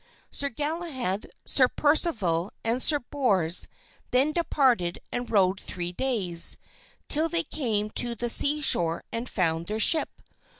Sir Galahad, Sir Percival, and Sir Bors then departed and rode three days, till they came to the seashore and found their ship.